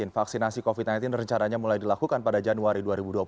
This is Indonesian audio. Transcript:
vaksinasi covid sembilan belas rencananya mulai dilakukan pada januari dua ribu dua puluh satu